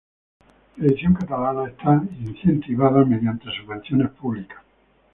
La edición en catalán está incentivada mediante subvenciones públicas.